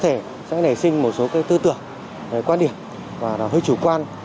thì cũng sẽ có thể nể sinh một số tư tưởng quan điểm hơi chủ quan